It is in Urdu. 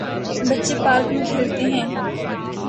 بچے پارک میں کھیلتے ہیں۔